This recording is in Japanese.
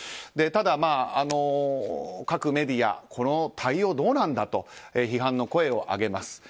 ただ、各メディアこの対応はどうなんだと批判の声を上げます。